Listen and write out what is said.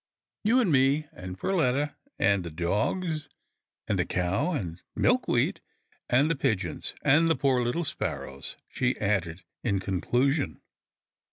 " You and me, and Per letta, and the dogs, and the cow, and Milkweed, and the pigeons, — and the poor little sparrows," she added in conclusion.